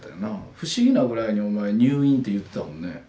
不思議なぐらいにお前「入院」って言ってたもんね。